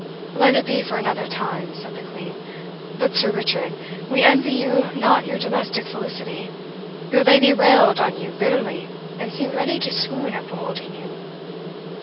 "Let it be for another time," said the Queen. "But, Sir Richard, we envy you not your domestic felicity; your lady railed on you bitterly, and seemed ready to swoon at beholding you."